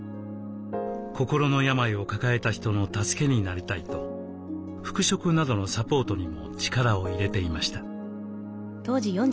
心の病を抱えた人の助けになりたいと復職などのサポートにも力を入れていました。